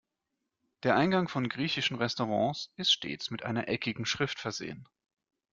Der Eingang von griechischen Restaurants ist stets mit einer eckigen Schrift versehen.